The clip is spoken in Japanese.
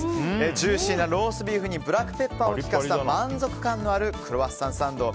ジューシーなローストビーフにブラックペッパーを効かせた満足感のあるクロワッサンサンド。